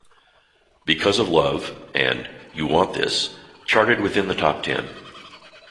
"Because of Love" and "You Want This" charted within the top ten.